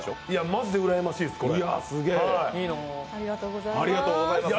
マジでうらやましいです、これ。